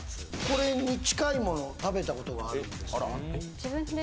これに近いもの食べたことがあるんですか？